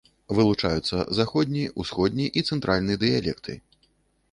Вылучаюцца заходні, усходні і цэнтральны дыялекты.